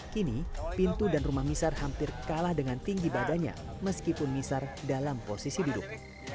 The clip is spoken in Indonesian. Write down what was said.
kini pintu dan rumah misar hampir kalah dengan tinggi badannya meskipun misar dalam posisi duduk